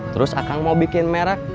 terus akang mau bikin merek